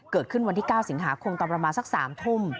เกิดขึ้นวันที่๙สิงหาคมตอนประมาณสัก๓ทุ่ม